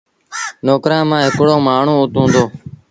نوڪرآݩٚ مآݩٚ هڪڙو مآڻهوٚٚ اُت هُݩدو